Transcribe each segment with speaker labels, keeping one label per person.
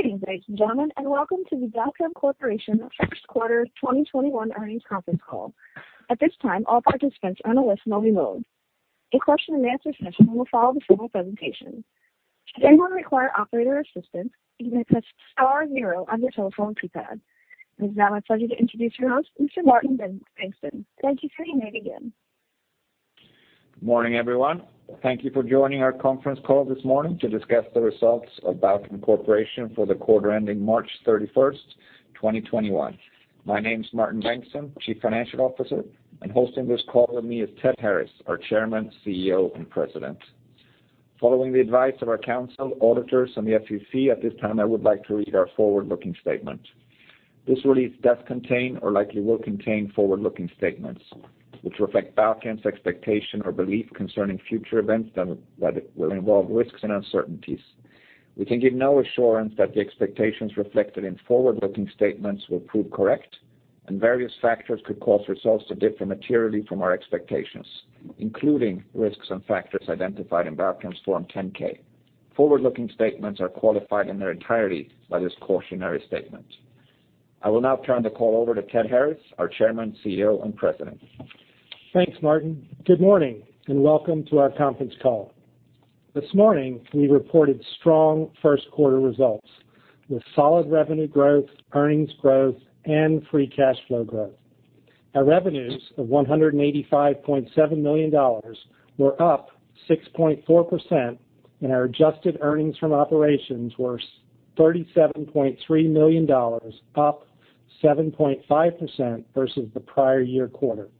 Speaker 1: Greetings, ladies and gentlemen, and welcome to the Balchem Corporation Q1 2021 earnings conference call. It is now my pleasure to introduce your host, Mr. Martin Bengtsson. Thank you for staying. You may begin.
Speaker 2: Morning, everyone. Thank you for joining our conference call this morning to discuss the results of Balchem Corporation for the quarter ending March 31st, 2021. My name's Martin Bengtsson, Chief Financial Officer, and hosting this call with me is Ted Harris, our Chairman, CEO, and President. Following the advice of our counsel, auditors, and the SEC, at this time, I would like to read our forward-looking statement. This release does contain or likely will contain forward-looking statements, which reflect Balchem's expectation or belief concerning future events that will involve risks and uncertainties. We can give no assurance that the expectations reflected in forward-looking statements will prove correct, and various factors could cause results to differ materially from our expectations, including risks and factors identified in Balchem's Form 10-K. Forward-looking statements are qualified in their entirety by this cautionary statement. I will now turn the call over to Ted Harris, our Chairman, CEO, and President.
Speaker 3: Thanks, Martin. Good morning, and welcome to our conference call. This morning, we reported strong Q1 results with solid revenue growth, earnings growth, and free cash flow growth. Our revenues of $185.7 million were up 6.4%. Our adjusted earnings from operations were $37.3 million, up 7.5% versus the prior year quarter.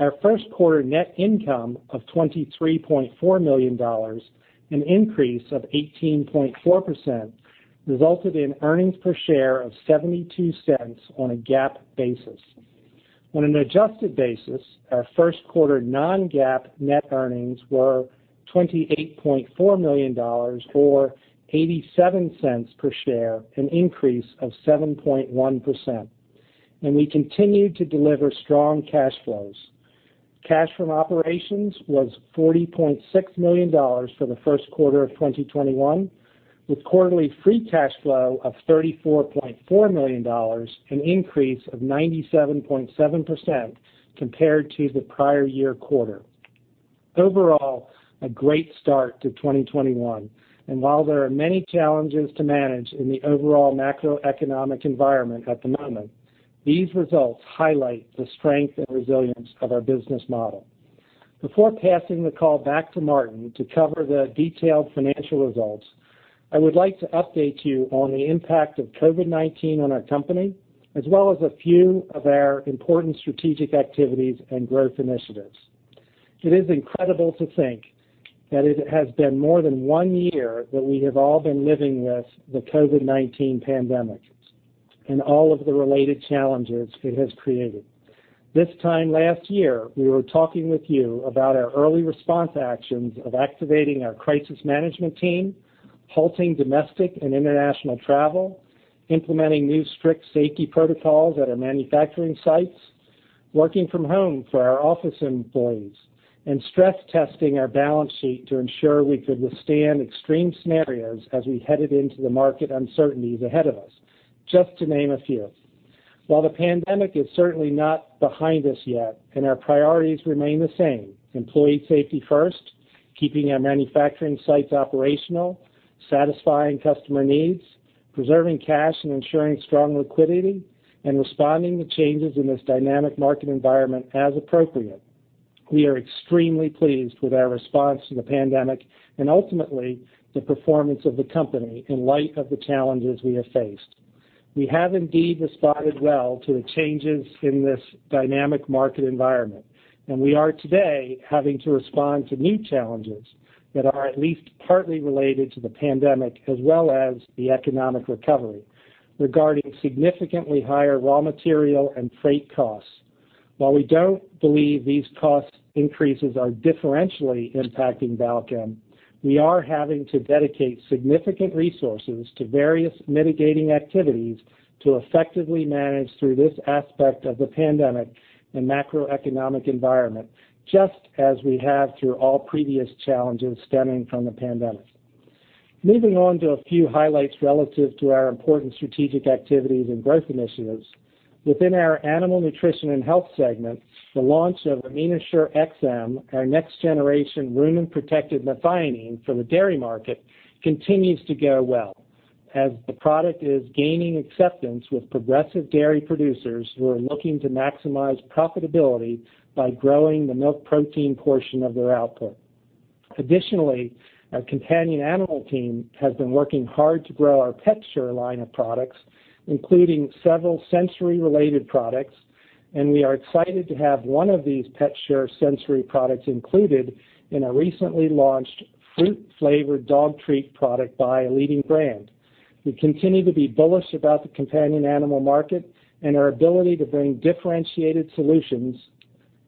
Speaker 3: Our Q1 net income of $23.4 million, an increase of 18.4%, resulted in earnings per share of $0.72 on a GAAP basis. On an adjusted basis, our Q1 non-GAAP net earnings were $28.4 million, or $0.87 per share, an increase of 7.1%. We continued to deliver strong cash flows. Cash from operations was $40.6 million for the Q1 of 2021, with quarterly free cash flow of $34.4 million, an increase of 97.7% compared to the prior year quarter. Overall, a great start to 2021. While there are many challenges to manage in the overall macroeconomic environment at the moment, these results highlight the strength and resilience of our business model. Before passing the call back to Martin to cover the detailed financial results, I would like to update you on the impact of COVID-19 on our company, as well as a few of our important strategic activities and growth initiatives. It is incredible to think that it has been more than one year that we have all been living with the COVID-19 pandemic and all of the related challenges it has created. This time last year, we were talking with you about our early response actions of activating our crisis management team, halting domestic and international travel, implementing new strict safety protocols at our manufacturing sites, working from home for our office employees, and stress testing our balance sheet to ensure we could withstand extreme scenarios as we headed into the market uncertainties ahead of us, just to name a few. While the COVID-19 pandemic is certainly not behind us yet and our priorities remain the same, employee safety first, keeping our manufacturing sites operational, satisfying customer needs, preserving cash and ensuring strong liquidity, and responding to changes in this dynamic market environment as appropriate. We are extremely pleased with our response to the pandemic and ultimately the performance of the company in light of the challenges we have faced. We have indeed responded well to the changes in this dynamic market environment, and we are today having to respond to new challenges that are at least partly related to the pandemic as well as the economic recovery regarding significantly higher raw material and freight costs. While we don't believe these cost increases are differentially impacting Balchem, We are having to dedicate significant resources to various mitigating activities to effectively manage through this aspect of the pandemic and macroeconomic environment, just as we have through all previous challenges stemming from the pandemic. Moving on to a few highlights relative to our important strategic activities and growth initiatives. Within our Animal Nutrition and Health segment, the launch of AminoShure-XM, our next generation rumen-protected methionine for the dairy market, continues to go well as the product is gaining acceptance with progressive dairy producers who are looking to maximize profitability by growing the milk protein portion of their output. Additionally, our companion animal team has been working hard to grow our PetShure line of products, including several sensory-related products, and we are excited to have one of these PetShure sensory products included in a recently launched fruit-flavored dog treat product by a leading brand. We continue to be bullish about the companion animal market and our ability to bring differentiated solutions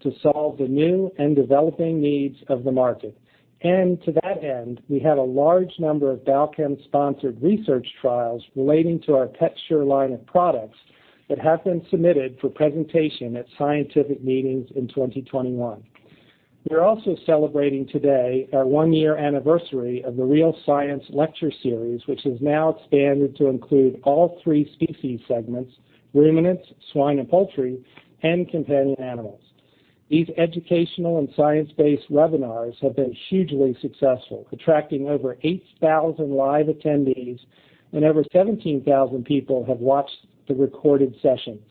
Speaker 3: to solve the new and developing needs of the market. To that end, we had a large number of Balchem-sponsored research trials relating to our PetShure line of products that have been submitted for presentation at scientific meetings in 2021. We are also celebrating today our one-year anniversary of the Real Science Lecture Series, which has now expanded to include all three species segments, ruminants, swine and poultry, and companion animals. These educational and science-based webinars have been hugely successful, attracting over 8,000 live attendees and over 17,000 people have watched the recorded sessions.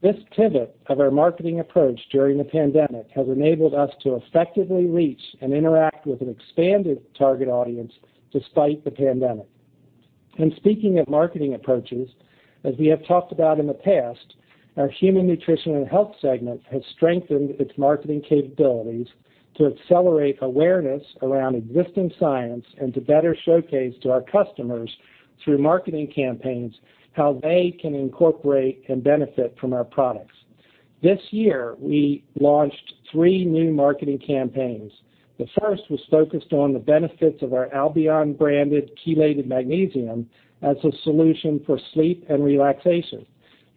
Speaker 3: This pivot of our marketing approach during the pandemic has enabled us to effectively reach and interact with an expanded target audience despite the pandemic. Speaking of marketing approaches, as we have talked about in the past, our Human Nutrition and Health segment has strengthened its marketing capabilities to accelerate awareness around existing science and to better showcase to our customers through marketing campaigns how they can incorporate and benefit from our products. This year, we launched three new marketing campaigns. The first was focused on the benefits of our Albion branded chelated magnesium as a solution for sleep and relaxation.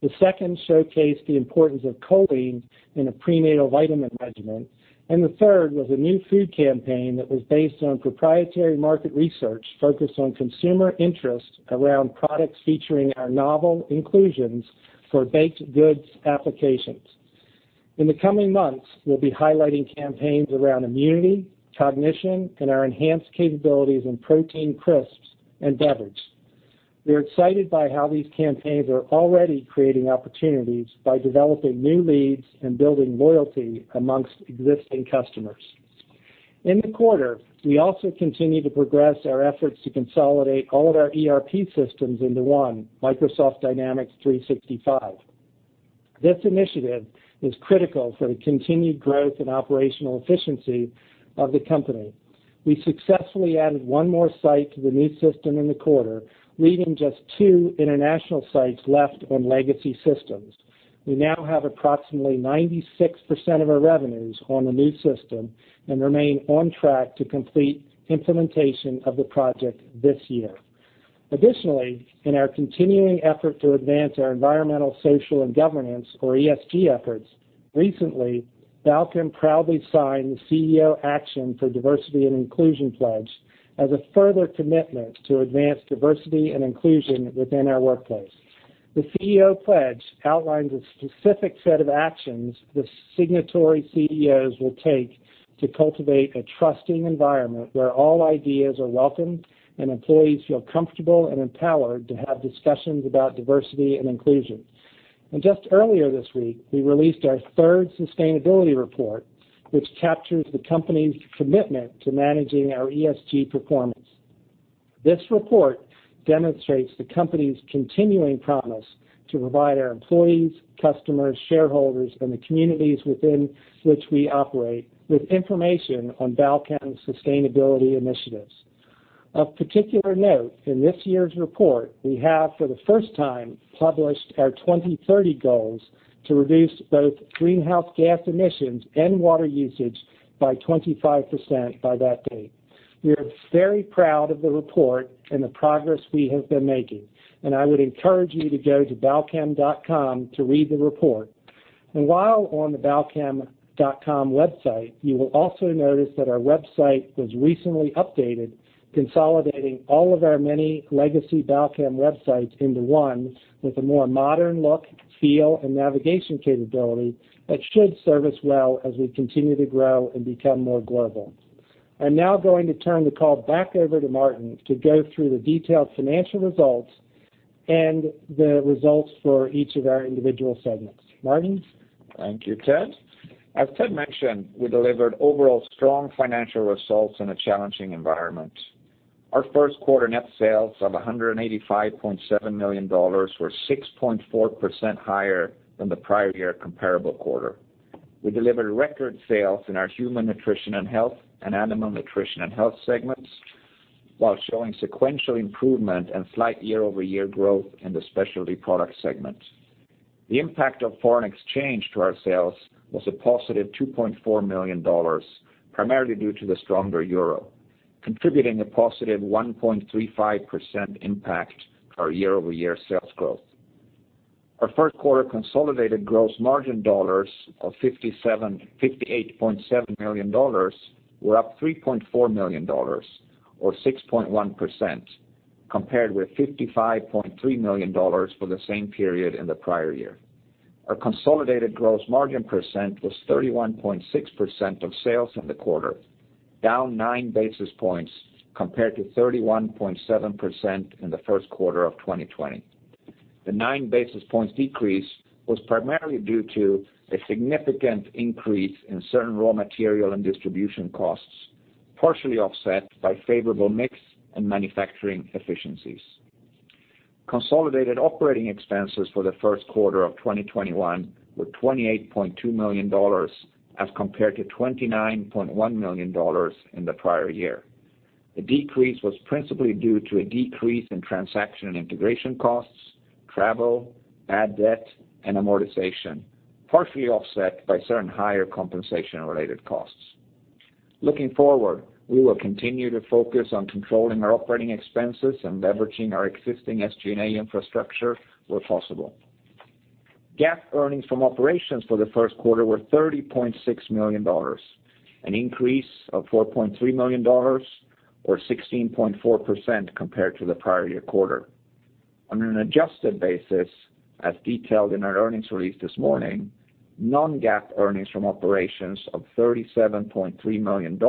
Speaker 3: The second showcased the importance of choline in a prenatal vitamin regimen. The third was a new food campaign that was based on proprietary market research focused on consumer interest around products featuring our novel inclusions for baked goods applications. In the coming months, we'll be highlighting campaigns around immunity, cognition, and our enhanced capabilities in protein crisps and beverages. We are excited by how these campaigns are already creating opportunities by developing new leads and building loyalty amongst existing customers. In the quarter, we also continued to progress our efforts to consolidate all of our ERP systems into one, Microsoft Dynamics 365. This initiative is critical for the continued growth and operational efficiency of the company. We successfully added one more site to the new system in the quarter, leaving just two international sites left on legacy systems. We now have approximately 96% of our revenues on the new system and remain on track to complete implementation of the project this year. In our continuing effort to advance our environmental, social, and governance or ESG efforts, recently, Balchem proudly signed the CEO Action for Diversity & Inclusion pledge as a further commitment to advance diversity and inclusion within our workplace. The CEO Action for Diversity & Inclusion outlines a specific set of actions the signatory CEOs will take to cultivate a trusting environment where all ideas are welcome and employees feel comfortable and empowered to have discussions about diversity and inclusion. Just earlier this week, we released our third sustainability report, which captures the company's commitment to managing our ESG performance. This report demonstrates the company's continuing promise to provide our employees, customers, shareholders, and the communities within which we operate with information on Balchem sustainability initiatives. Of particular note, in this year's report, we have, for the first time, published our 2030 goals to reduce both greenhouse gas emissions and water usage by 25% by that date. We are very proud of the report and the progress we have been making. I would encourage you to go to balchem.com to read the report. While on the balchem.com website, you will also notice that our website was recently updated, consolidating all of our many legacy Balchem websites into one with a more modern look, feel, and navigation capability that should serve us well as we continue to grow and become more global. I'm now going to turn the call back over to Martin to go through the detailed financial results and the results for each of our individual segments. Martin?
Speaker 2: Thank you, Ted. As Ted mentioned, we delivered overall strong financial results in a challenging environment. Our Q1 net sales of $185.7 million were 6.4% higher than the prior year comparable quarter. We delivered record sales in our Human Nutrition and Health and Animal Nutrition and Health segments, while showing sequential improvement and slight year-over-year growth in the Specialty Product segment. The impact of foreign exchange to our sales was a positive $2.4 million, primarily due to the stronger euro, contributing a positive 1.35% impact to our year-over-year sales growth. Our Q1 consolidated gross margin dollars of $58.7 million were up $3.4 million or 6.1%, compared with $55.3 million for the same period in the prior year. Our consolidated gross margin percent was 31.6% of sales in the quarter, down nine basis points compared to 31.7% in the Q1 of 2020. The nine basis points decrease was primarily due to a significant increase in certain raw material and distribution costs, partially offset by favorable mix and manufacturing efficiencies. Consolidated operating expenses for the Q1 of 2021 were $28.2 million as compared to $29.1 million in the prior year. The decrease was principally due to a decrease in transaction and integration costs, travel, bad debt, and amortization, partially offset by certain higher compensation-related costs. Looking forward, we will continue to focus on controlling our operating expenses and leveraging our existing SG&A infrastructure where possible. GAAP earnings from operations for the Q1 were $30.6 million, an increase of $4.3 million or 16.4% compared to the prior year quarter. On an adjusted basis, as detailed in our earnings release this morning, non-GAAP earnings from operations of $37.3 million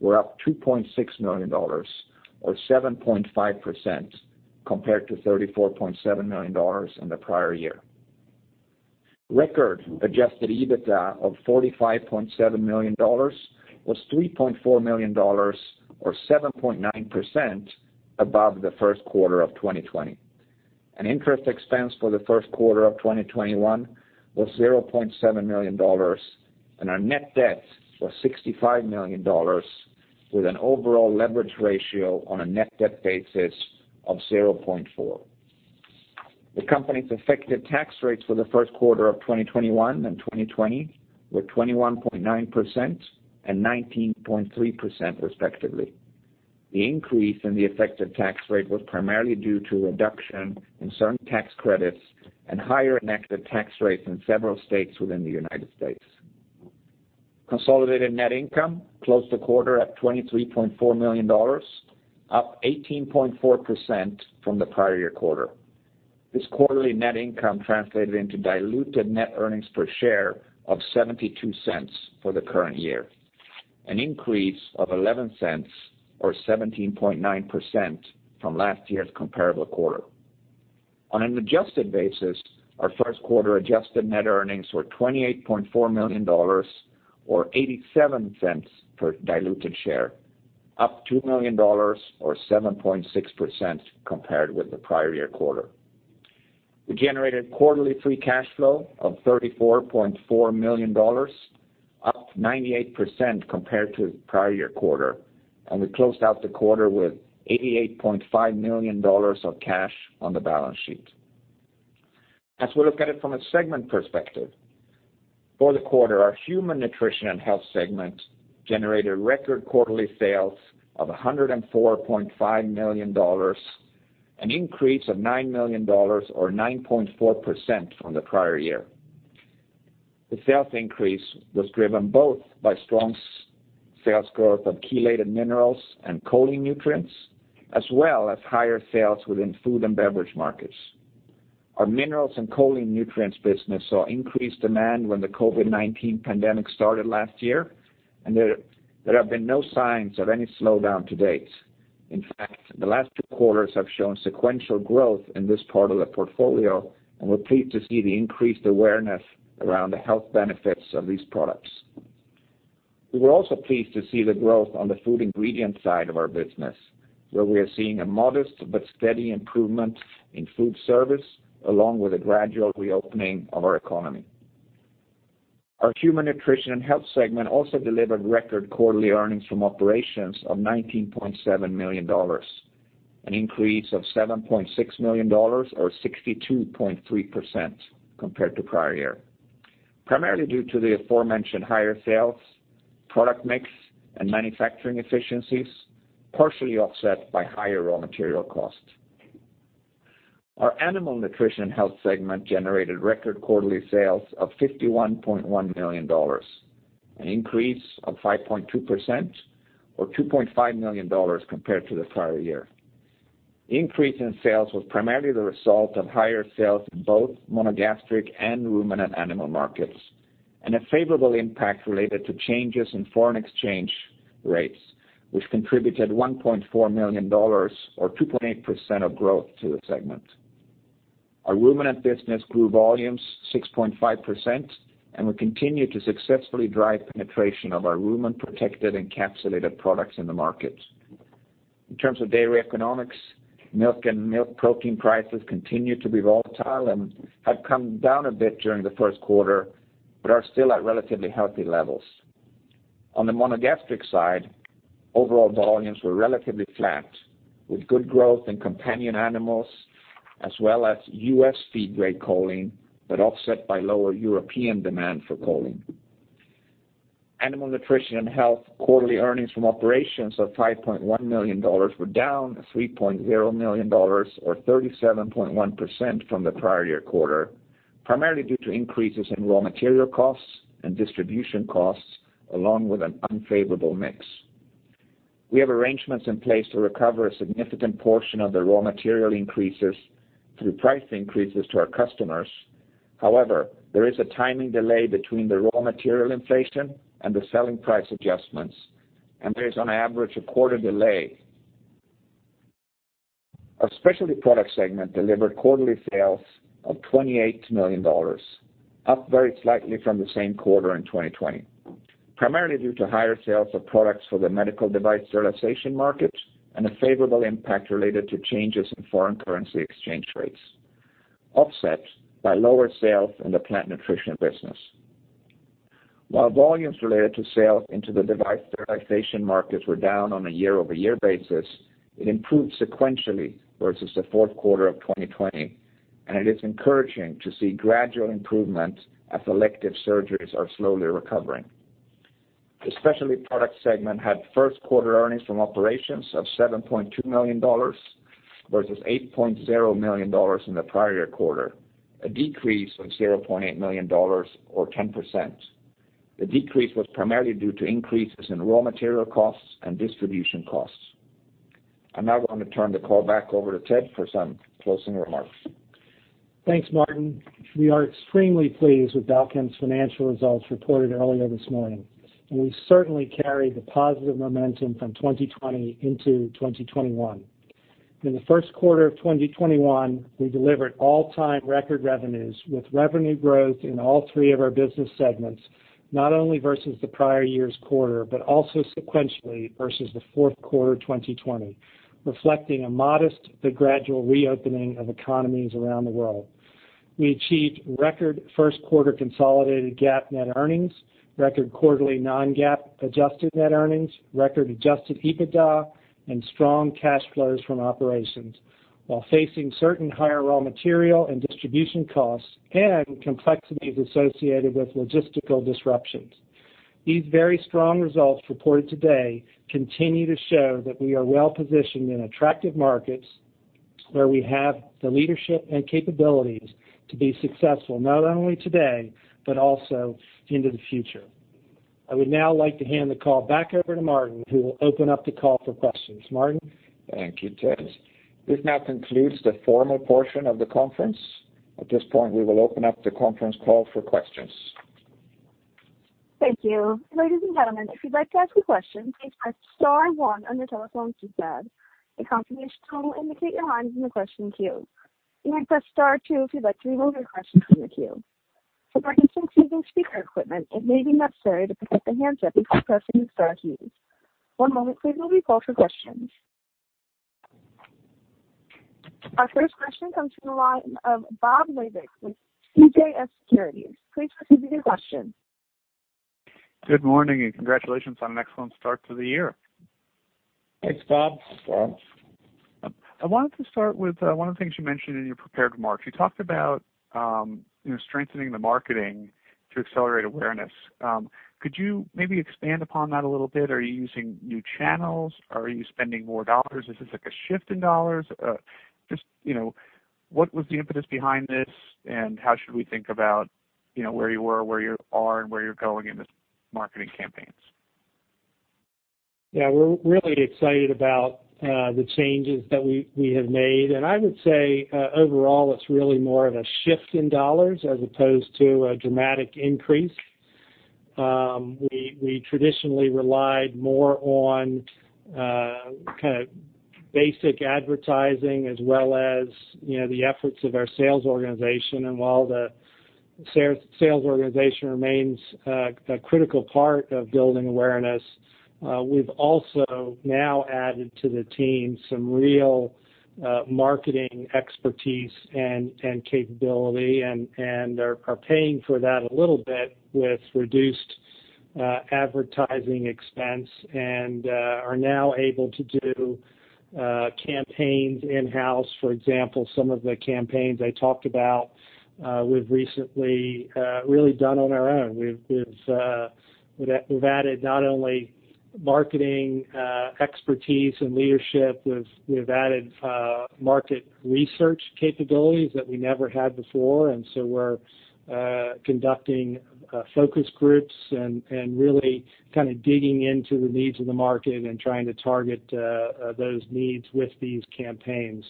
Speaker 2: were up $2.6 million or 7.5% compared to $34.7 million in the prior year. Record adjusted EBITDA of $45.7 million was $3.4 million or 7.9% above the Q1 of 2020. Interest expense for the Q1 of 2021 was $0.7 million, and our net debt was $65 million with an overall leverage ratio on a net debt basis of 0.4. The company's effective tax rates for the Q1 of 2021 and 2020 were 21.9% and 19.3% respectively. The increase in the effective tax rate was primarily due to reduction in certain tax credits and higher effective tax rates in several states within the United States. Consolidated net income closed the quarter at $23.4 million, up 18.4% from the prior year quarter. This quarterly net income translated into diluted net earnings per share of $0.72 for the current year, an increase of $0.11 or 17.9% from last year's comparable quarter. On an adjusted basis, our Q1 adjusted net earnings were $28.4 million or $0.87 per diluted share, up $2 million or 7.6% compared with the prior year quarter. We generated quarterly free cash flow of $34.4 million, up 98% compared to the prior year quarter, and we closed out the quarter with $88.5 million of cash on the balance sheet. As we look at it from a segment perspective, for the quarter, our Human Nutrition & Health segment generated record quarterly sales of $104.5 million, an increase of $9 million or 9.4% from the prior year. The sales increase was driven both by strong sales growth of chelated minerals and choline nutrients, as well as higher sales within food and beverage markets. Our minerals and choline nutrients business saw increased demand when the COVID-19 pandemic started last year, and there have been no signs of any slowdown to date. In fact, the last two quarters have shown sequential growth in this part of the portfolio, and we're pleased to see the increased awareness around the health benefits of these products. We were also pleased to see the growth on the food ingredient side of our business, where we are seeing a modest but steady improvement in food service, along with the gradual reopening of our economy. Our Human Nutrition and Health segment also delivered record quarterly earnings from operations of $19.7 million, an increase of $7.6 million or 62.3% compared to prior year, primarily due to the aforementioned higher sales, product mix, and manufacturing efficiencies, partially offset by higher raw material costs. Our Animal Nutrition Health segment generated record quarterly sales of $51.1 million, an increase of 5.2% or $2.5 million compared to the prior year. Increase in sales was primarily the result of higher sales in both monogastric and ruminant animal markets, and a favorable impact related to changes in foreign exchange rates, which contributed $1.4 million or 2.8% of growth to the segment. Our ruminant business grew volumes 6.5%, and we continue to successfully drive penetration of our rumen-protected encapsulated products in the market. In terms of dairy economics, milk and milk protein prices continue to be volatile and have come down a bit during the Q1, but are still at relatively healthy levels. On the monogastric side, overall volumes were relatively flat with good growth in companion animals as well as U.S. feed-grade choline, but offset by lower European demand for choline. Animal Nutrition and Health quarterly earnings from operations of $5.1 million were down $3.0 million or 37.1% from the prior year quarter, primarily due to increases in raw material costs and distribution costs along with an unfavorable mix. We have arrangements in place to recover a significant portion of the raw material increases through price increases to our customers. However, there is a timing delay between the raw material inflation and the selling price adjustments, and there is on average a quarter delay. Our Specialty Product segment delivered quarterly sales of $28 million, up very slightly from the same quarter in 2020, primarily due to higher sales of products for the medical device sterilization market and a favorable impact related to changes in foreign currency exchange rates, offset by lower sales in the plant nutrition business. While volumes related to sales into the device sterilization markets were down on a year-over-year basis, it improved sequentially versus the Q4 of 2020, and it is encouraging to see gradual improvement as elective surgeries are slowly recovering. The specialty product segment had Q1 earnings from operations of $7.2 million versus $8.0 million in the prior quarter, a decrease from $0.8 million or 10%. The decrease was primarily due to increases in raw material costs and distribution costs. I'm now going to turn the call back over to Ted for some closing remarks.
Speaker 3: Thanks, Martin. We are extremely pleased with Balchem's financial results reported earlier this morning, and we certainly carry the positive momentum from 2020 into 2021. In the Q1 of 2021, we delivered all-time record revenues, with revenue growth in all three of our business segments, not only versus the prior year's quarter, but also sequentially versus the Q4 2020, reflecting a modest but gradual reopening of economies around the world. We achieved record Q1 consolidated GAAP net earnings, record quarterly non-GAAP adjusted net earnings, record adjusted EBITDA, and strong cash flows from operations while facing certain higher raw material and distribution costs and complexities associated with logistical disruptions. These very strong results reported today continue to show that we are well-positioned in attractive markets where we have the leadership and capabilities to be successful, not only today, but also into the future. I would now like to hand the call back over to Martin, who will open up the call for questions. Martin?
Speaker 2: Thank you, Ted. This now concludes the formal portion of the conference. At this point, we will open up the conference call for questions.
Speaker 1: Thank you. Ladies and gentlemen, if you'd like to ask a question, please press star one on your telephone keypad. A confirmation tone will indicate your line's in the question queue. You may press star two if you'd like to remove your question from the queue. For parties using speaker equipment, it may be necessary to pick up the handset before pressing the star keys. One moment please, while we call for questions. Our first question comes from the line of Bob Labick with CJS Securities. Please proceed with your question.
Speaker 4: Good morning, and congratulations on an excellent start to the year.
Speaker 3: Thanks, Bob.
Speaker 2: Thanks, Bob.
Speaker 4: I wanted to start with one of the things you mentioned in your prepared remarks. You talked about strengthening the marketing to accelerate awareness. Could you maybe expand upon that a little bit? Are you using new channels? Are you spending more dollars? Is this like a shift in dollars? Just what was the impetus behind this, and how should we think about where you were, where you are, and where you're going in this marketing campaigns?
Speaker 3: Yeah, we're really excited about the changes that we have made. I would say, overall, it's really more of a shift in dollars as opposed to a dramatic increase. We traditionally relied more on kind of basic advertising as well as the efforts of our sales organization. While the sales organization remains a critical part of building awareness, We've also now added to the team some real marketing expertise and capability and are paying for that a little bit with reduced advertising expense and are now able to do campaigns in-house. For example, some of the campaigns I talked about, we've recently really done on our own. We've added not only marketing expertise and leadership, we've added market research capabilities that we never had before. We're conducting focus groups and really kind of digging into the needs of the market and trying to target those needs with these campaigns.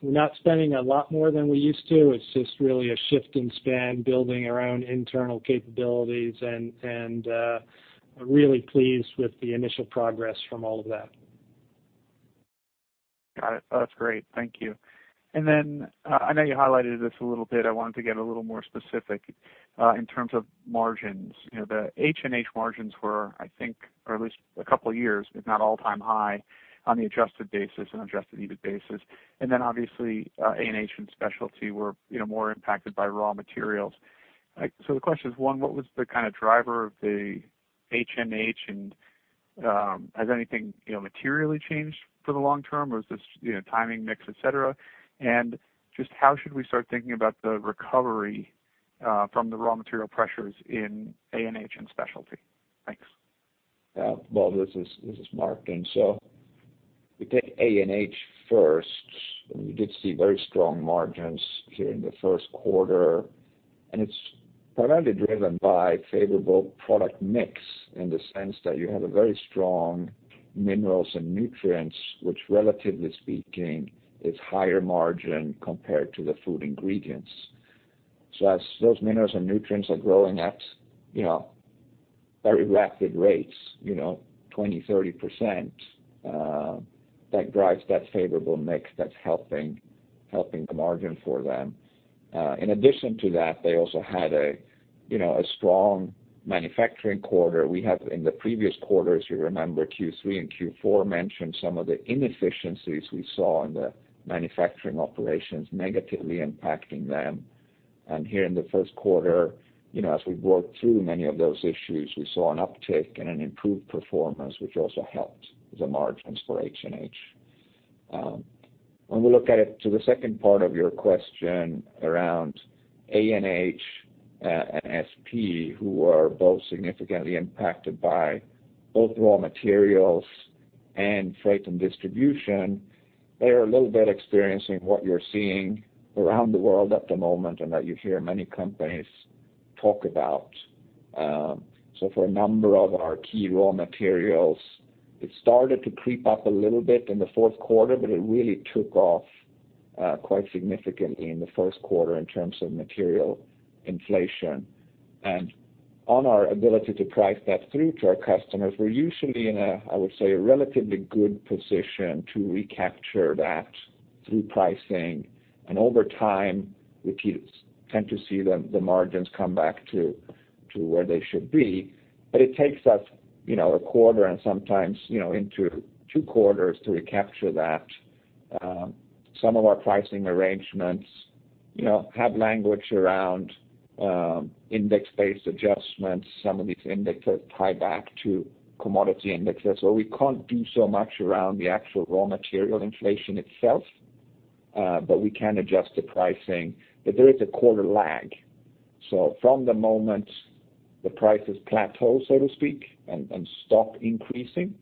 Speaker 3: We're not spending a lot more than we used to. It's just really a shift in spend, building our own internal capabilities, and really pleased with the initial progress from all of that.
Speaker 4: Got it. That's great. Thank you. I know you highlighted this a little bit. I wanted to get a little more specific, in terms of margins. The H&H margins were, I think, or at least a couple of years, if not all-time high on the adjusted basis and adjusted EBIT basis. Obviously, A&H and specialty were more impacted by raw materials. The question is, one, what was the kind of driver of the H&H, and has anything materially changed for the long term? Or is this timing mix, et cetera? Just how should we start thinking about the recovery from the raw material pressures in A&H and specialty? Thanks.
Speaker 2: Yeah. Bob Labick, this is Martin Bengtsson. We take ANH first. We did see very strong margins here in the Q1, and it's primarily driven by favorable product mix in the sense that you have a very strong minerals and nutrients, which relatively speaking is higher margin compared to the food ingredients. As those minerals and nutrients are growing at very rapid rates, 20%, 30%, that drives that favorable mix that's helping the margin for them. In addition to that, they also had a strong manufacturing quarter. We have in the previous quarters, you remember Q3 and Q4 mentioned some of the inefficiencies we saw in the manufacturing operations negatively impacting them. Here in the Q1, as we worked through many of those issues, we saw an uptick and an improved performance, which also helped the margins for H&H. When we look at it to the second part of your question around ANH and SP, who are both significantly impacted by both raw materials and freight and distribution, they are a little bit experiencing what you're seeing around the world at the moment and that you hear many companies talk about. For a number of our key raw materials, it started to creep up a little bit in the Q4, but it really took off quite significantly in the Q1 in terms of material inflation. On our ability to price that through to our customers, we're usually in a, I would say, relatively good position to recapture that through pricing. Over time, we tend to see the margins come back to where they should be. It takes us a quarter and sometimes into two quarters to recapture that. Some of our pricing arrangements have language around index-based adjustments. Some of these indexes tie back to commodity indexes, so we can't do so much around the actual raw material inflation itself. We can adjust the pricing. There is a quarter lag. From the moment the prices plateau, so to speak, and stop increasing,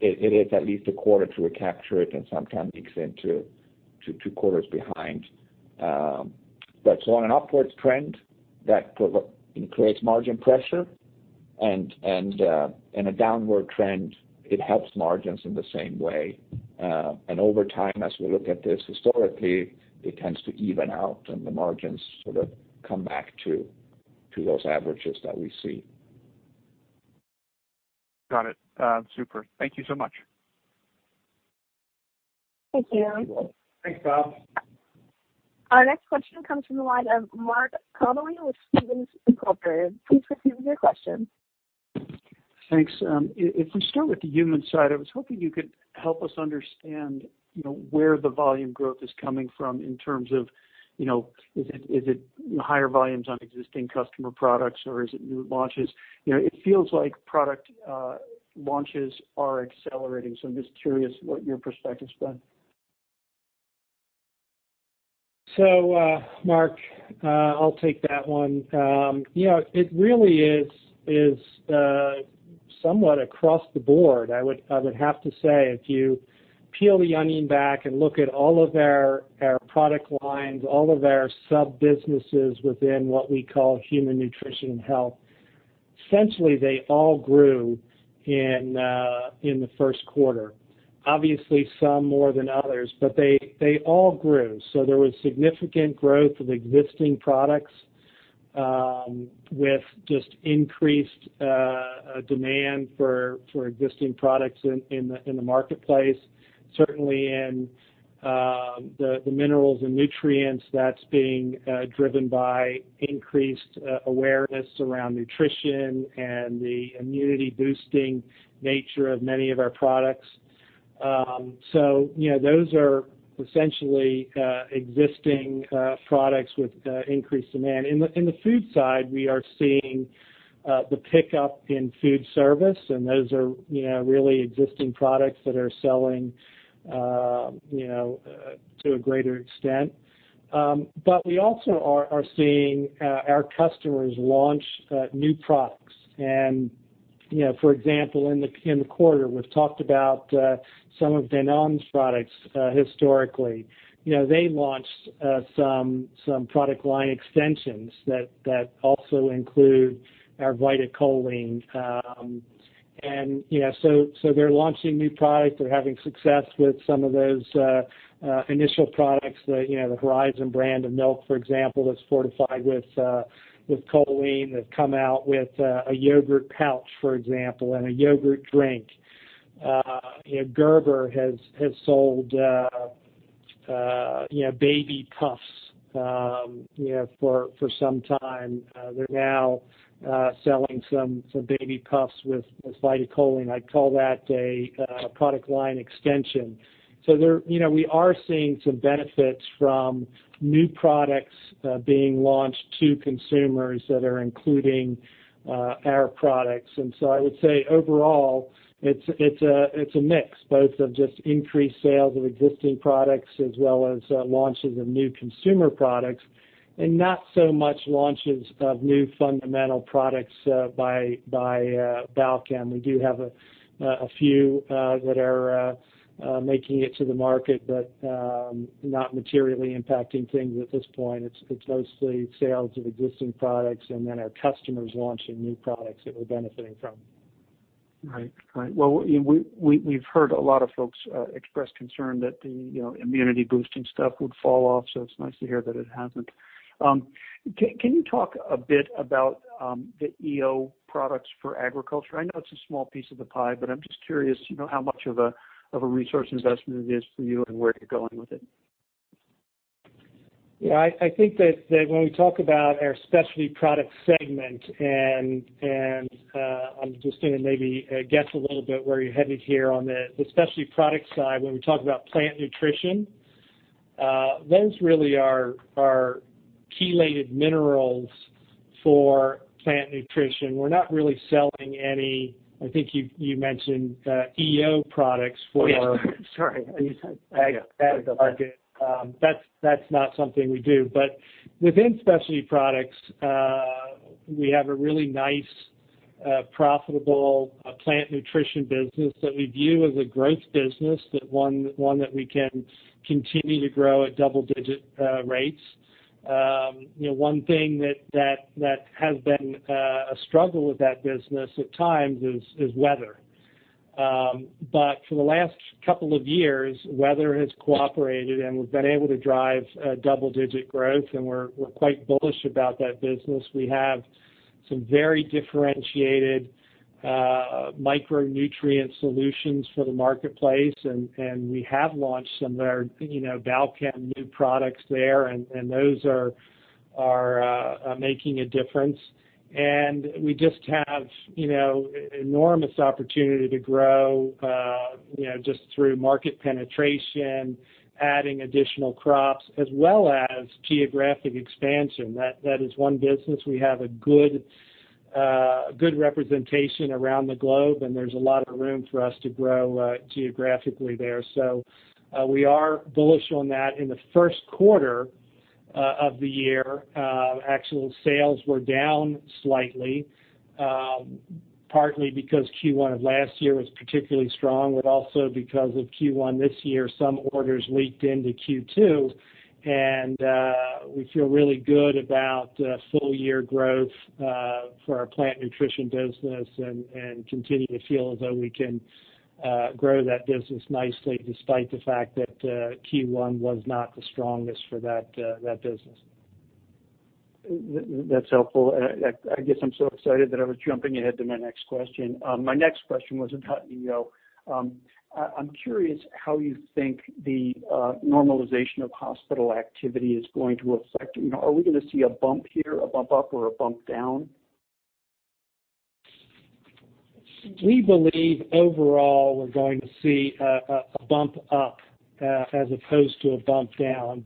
Speaker 2: it is at least a quarter to recapture it and sometimes extend to two quarters behind. It's on an upwards trend that creates margin pressure, and a downward trend, it helps margins in the same way. Over time, as we look at this historically, it tends to even out and the margins sort of come back to those averages that we see.
Speaker 4: Got it. Super. Thank you so much.
Speaker 1: Thank you.
Speaker 2: You're welcome.
Speaker 3: Thanks, Bob.
Speaker 1: Our next question comes from the line of Mark Connelly with Stephens. Please proceed with your question.
Speaker 5: Thanks. If we start with the human side, I was hoping you could help us understand where the volume growth is coming from in terms of, is it higher volumes on existing customer products or is it new launches? It feels like product launches are accelerating, so I'm just curious what your perspective is then.
Speaker 3: Mark Connelly, I'll take that one. It really is somewhat across the board, I would have to say. If you peel the onion back and look at all of our product lines, all of our sub-businesses within what we call Human Nutrition and Health, essentially they all grew in the Q1. Obviously, some more than others, but they all grew. There was significant growth of existing products with just increased demand for existing products in the marketplace. Certainly in the minerals and nutrients, that's being driven by increased awareness around nutrition and the immunity-boosting nature of many of our products. Those are essentially existing products with increased demand. In the food side, we are seeing the pickup in food service, and those are really existing products that are selling to a greater extent. We also are seeing our customers launch new products. For example, in the quarter, we've talked about some of Danone's products historically. They launched some product line extensions that also include our VitaCholine. They're launching new products. They're having success with some of those initial products. The Horizon brand of milk, for example, that's fortified with choline. They've come out with a yogurt pouch, for example, and a yogurt drink. Gerber has sold baby puffs for some time. They're now selling some baby puffs with VitaCholine. I'd call that a product line extension. We are seeing some benefits from new products being launched to consumers that are including our products. I would say overall, it's a mix both of just increased sales of existing products as well as launches of new consumer products, and not so much launches of new fundamental products by Balchem. We do have a few that are making it to the market, but not materially impacting things at this point. It's mostly sales of existing products and then our customers launching new products that we're benefiting from.
Speaker 5: Right. Well, we've heard a lot of folks express concern that the immunity boosting stuff would fall off, so it's nice to hear that it hasn't. Can you talk a bit about the EO products for agriculture? I know it's a small piece of the pie, but I'm just curious how much of a resource investment it is for you and where you're going with it.
Speaker 3: Yeah, I think that when we talk about our specialty product segment, and I'm just going to maybe guess a little bit where you're headed here on the specialty product side, when we talk about plant nutrition. Those really are chelated minerals for plant nutrition. We're not really selling any, I think you mentioned EO products for.
Speaker 5: Oh, yeah. Sorry.
Speaker 3: Ag market. That's not something we do. Within specialty products, we have a really nice, profitable plant nutrition business that we view as a growth business, one that we can continue to grow at double-digit rates. One thing that has been a struggle with that business at times is weather. For the last couple of years, weather has cooperated, and we've been able to drive double-digit growth, and we're quite bullish about that business. We have some very differentiated micronutrient solutions for the marketplace, and we have launched some of our Balchem new products there, and those are making a difference. We just have enormous opportunity to grow just through market penetration, adding additional crops, as well as geographic expansion. That is one business we have a good representation around the globe, and there's a lot of room for us to grow geographically there. We are bullish on that. In the Q1 of the year, actual sales were down slightly, partly because Q1 of last year was particularly strong, but also because of Q1 this year, some orders leaked into Q2. We feel really good about full-year growth for our plant nutrition business and continue to feel as though we can grow that business nicely, despite the fact that Q1 was not the strongest for that business.
Speaker 5: That's helpful. I guess I'm so excited that I was jumping ahead to my next question. My next question was about EO. I'm curious how you think the normalization of hospital activity is going to affect. Are we going to see a bump here, a bump up or a bump down?
Speaker 3: We believe overall we're going to see a bump up as opposed to a bump down.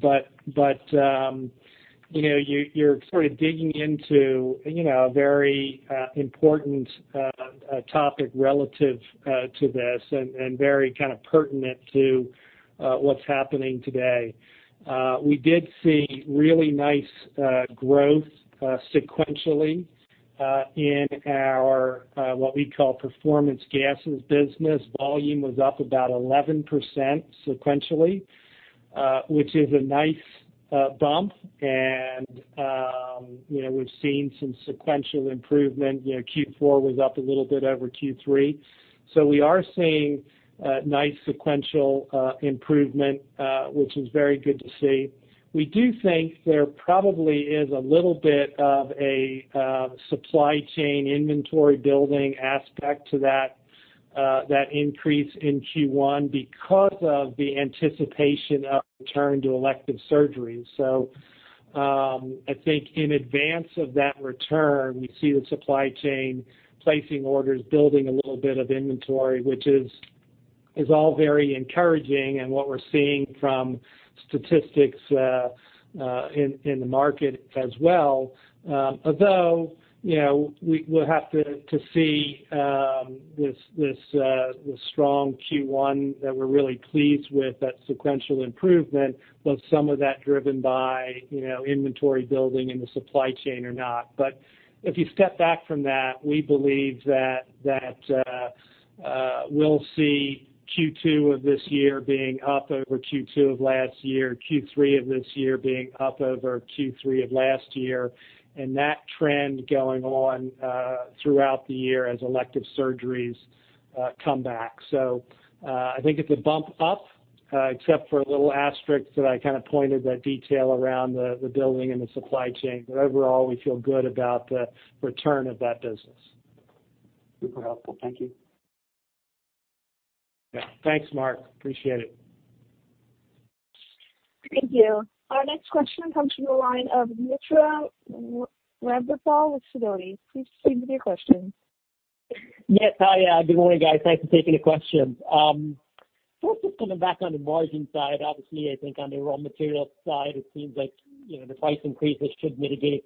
Speaker 3: You're sort of digging into a very important topic relative to this and very kind of pertinent to what's happening today. We did see really nice growth sequentially in our what we call performance gases business. Volume was up about 11% sequentially, which is a nice bump. We've seen some sequential improvement. Q4 was up a little bit over Q3. We are seeing nice sequential improvement, which is very good to see. We do think there probably is a little bit of a supply chain inventory building aspect to that increase in Q1 because of the anticipation of return to elective surgery. I think in advance of that return, we see the supply chain placing orders, building a little bit of inventory, which is all very encouraging and what we're seeing from statistics in the market as well. We'll have to see this strong Q1 that we're really pleased with, that sequential improvement. Was some of that driven by inventory building in the supply chain or not? If you step back from that, we believe that we'll see Q2 of this year being up over Q2 of last year, Q3 of this year being up over Q3 of last year, and that trend going on throughout the year as elective surgeries come back. I think it's a bump up except for a little asterisk that I kind of pointed that detail around the building and the supply chain. Overall, we feel good about the return of that business.
Speaker 5: Super helpful. Thank you.
Speaker 3: Yeah. Thanks, Mark. Appreciate it.
Speaker 1: Thank you. Our next question comes from the line of Mitra Ramgopal with Sidoti & Company. Please proceed with your question.
Speaker 6: Yes. Hi. Good morning, guys. Thanks for taking the questions. First, just coming back on the margin side, obviously, I think on the raw material side, it seems like the price increases should mitigate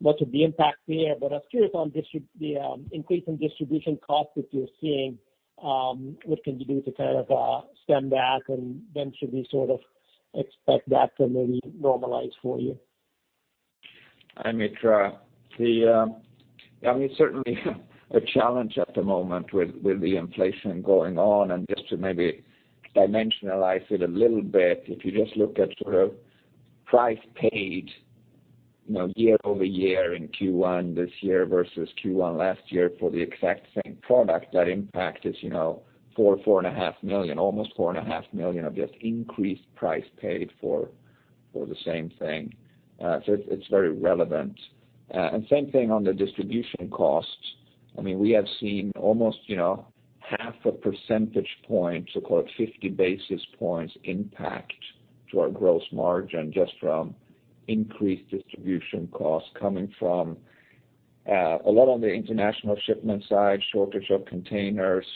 Speaker 6: much of the impact there. I was curious on the increase in distribution costs that you're seeing, what can you do to kind of stem that, and then should we sort of expect that to maybe normalize for you?
Speaker 2: Hi, Mitra. I mean, certainly a challenge at the moment with the inflation going on. Just to maybe dimensionalize it a little bit, if you just look at sort of price paid year-over-year in Q1 this year versus Q1 last year for the exact same product, that impact is $4.5 million, almost $4.5 million of just increased price paid for the same thing. It's very relevant. Same thing on the distribution costs. I mean, we have seen almost half a percentage point, so call it 50 basis points impact to our gross margin just from increased distribution costs coming from A lot on the international shipment side, shortage of containers.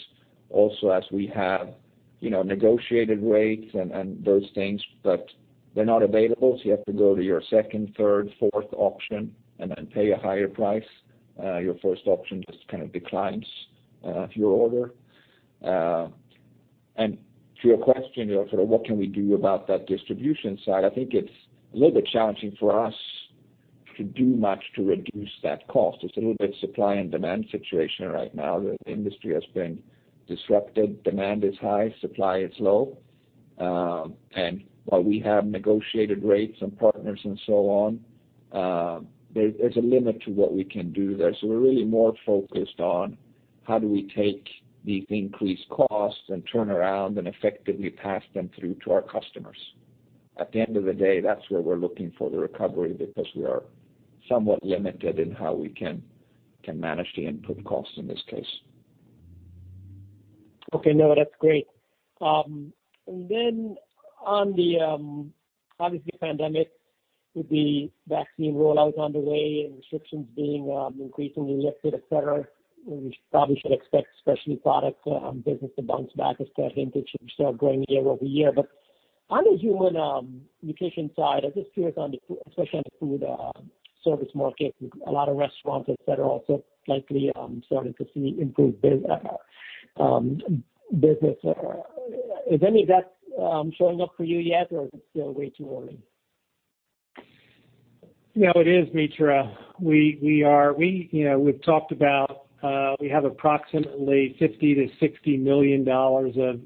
Speaker 2: As we have negotiated rates and those things, but they're not available, so you have to go to your second, third, fourth option and then pay a higher price. Your first option just kind of declines your order. To your question, sort of what can we do about that distribution side? I think it's a little bit challenging for us to do much to reduce that cost. It's a little bit supply and demand situation right now. The industry has been disrupted. Demand is high, supply is low. While we have negotiated rates and partners and so on, there's a limit to what we can do there. We're really more focused on how do we take the increased costs and turn around and effectively pass them through to our customers. At the end of the day, that's where we're looking for the recovery because we are somewhat limited in how we can manage the input costs in this case.
Speaker 6: Okay. No, that's great. On the, obviously, pandemic with the vaccine rollout underway and restrictions being increasingly lifted, et cetera, we probably should expect specialty products business to bounce back as per vintage and start growing year-over-year. On the human nutrition side, I'm just curious, especially on the food service market, a lot of restaurants, et cetera, also likely starting to see improved business. Is any of that showing up for you yet, or is it still way too early?
Speaker 3: No, it is, Mitra. We've talked about, we have approximately $50 million-$60 million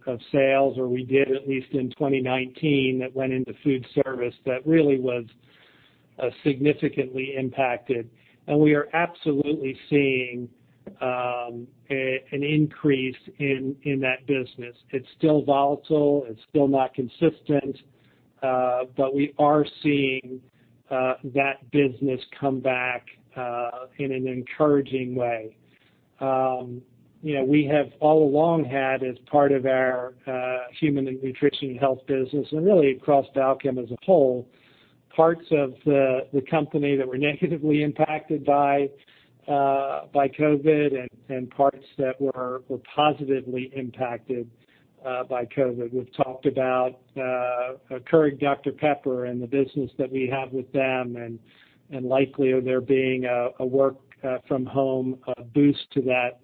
Speaker 3: of sales, or we did at least in 2019, that went into food service that really was significantly impacted. We are absolutely seeing an increase in that business. It's still volatile. It's still not consistent. We are seeing that business come back in an encouraging way. We have all along had, as part of our human and nutrition health business, really across Balchem as a whole, parts of the company that were negatively impacted by COVID-19 and parts that were positively impacted by COVID-19. We've talked about Keurig Dr Pepper and the business that we have with them, likely there being a work from home boost to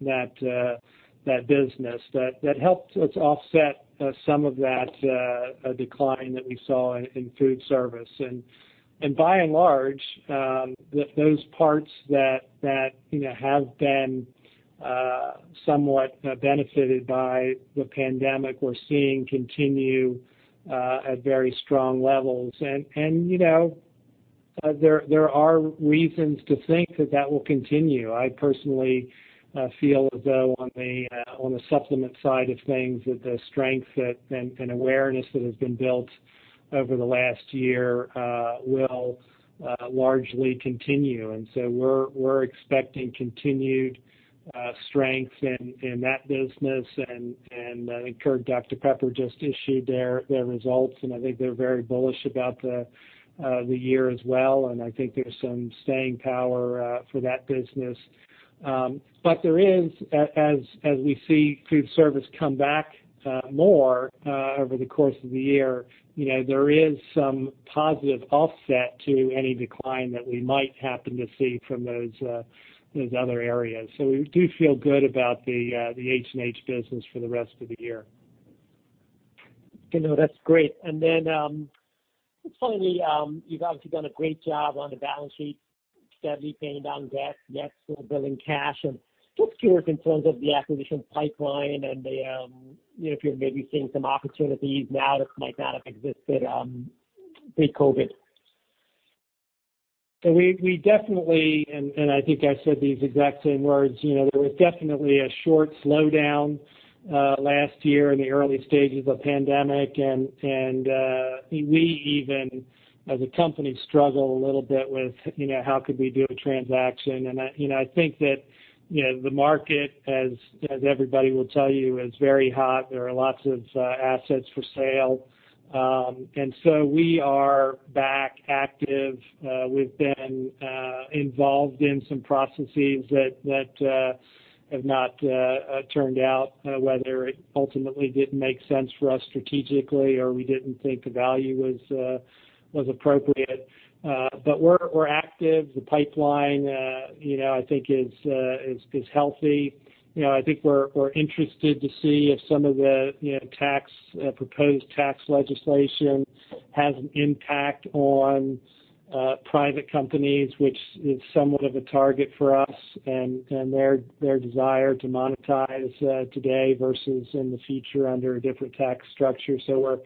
Speaker 3: that business that helped us offset some of that decline that we saw in food service. By and large, those parts that have been somewhat benefited by the pandemic, we're seeing continue at very strong levels. There are reasons to think that that will continue. I personally feel as though on the supplement side of things, that the strength and awareness that has been built over the last year will largely continue. We're expecting continued strength in that business, and I think Keurig Dr Pepper just issued their results, and I think they're very bullish about the year as well, and I think there's some staying power for that business. There is, as we see food service come back more over the course of the year, there is some positive offset to any decline that we might happen to see from those other areas. We do feel good about the H&H business for the rest of the year.
Speaker 6: Okay. No, that's great. Just finally, you've obviously done a great job on the balance sheet, steadily paying down debt, net sort of building cash. Just curious in terms of the acquisition pipeline and if you're maybe seeing some opportunities now that might not have existed pre-COVID.
Speaker 3: We definitely, and I think I said these exact same words, there was definitely a short slowdown last year in the early stages of pandemic. We even as a company struggle a little bit with how could we do a transaction. I think that the market, as everybody will tell you, is very hot. There are lots of assets for sale. We are back active. We've been involved in some processes that have not turned out, whether it ultimately didn't make sense for us strategically or we didn't think the value was appropriate. We're active. The pipeline, I think is healthy. I think we're interested to see if some of the proposed tax legislation has an impact on private companies, which is somewhat of a target for us, and their desire to monetize today versus in the future under a different tax structure. We're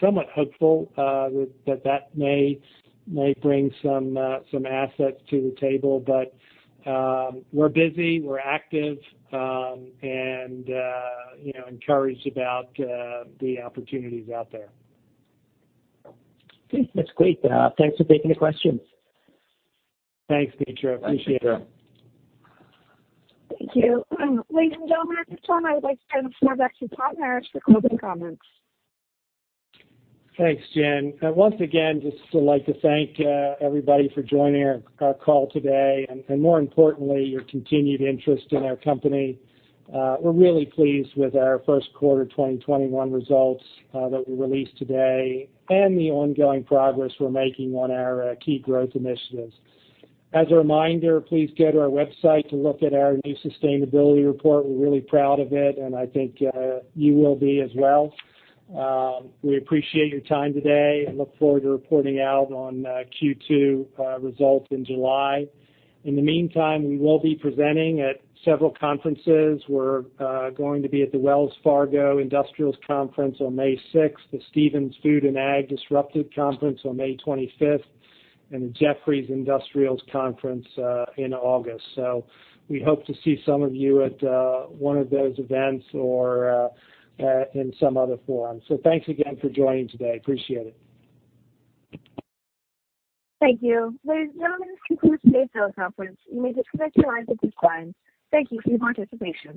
Speaker 3: somewhat hopeful that that may bring some assets to the table. We're busy, we're active, and encouraged about the opportunities out there.
Speaker 6: Okay. That's great. Thanks for taking the questions.
Speaker 3: Thanks, Mitra. Appreciate it.
Speaker 2: Thanks, Mitra.
Speaker 1: Thank you. Ladies and gentlemen, at this time, I would like to turn the floor back to partners for closing comments.
Speaker 3: Thanks, Jen. Once again, just would like to thank everybody for joining our call today and more importantly, your continued interest in our company. We're really pleased with our Q1 2021 results that we released today and the ongoing progress we're making on our key growth initiatives. As a reminder, please go to our website to look at our new sustainability report. We're really proud of it, and I think you will be as well. We appreciate your time today and look forward to reporting out on Q2 results in July. In the meantime, we will be presenting at several conferences. We're going to be at the Wells Fargo Industrials Conference on May 6th, the Stephens Food and Ag Disruptive Conference on May 25th, and the Jefferies Industrials Conference in August. We hope to see some of you at one of those events or in some other forum. Thanks again for joining today. Appreciate it.
Speaker 1: Thank you. Ladies and gentlemen, this concludes today's teleconference. You may disconnect your lines at this time. Thank you for your participation.